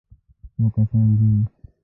_څو کسان دي؟